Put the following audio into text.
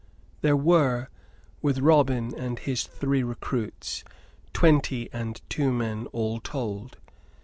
There were, with Robin and his three recruits, twenty and two men all told.